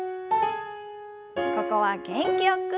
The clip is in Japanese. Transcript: ここは元気よく。